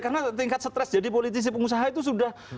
karena tingkat stres jadi politisi pengusaha itu sudah